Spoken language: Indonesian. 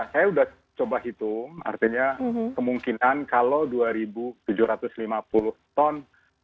saya sudah coba hitung artinya kemungkinan kalau dua tujuh ratus lima puluh ton